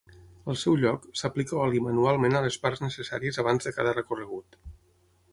Al seu lloc, s'aplica oli manualment a les parts necessàries abans de cada recorregut.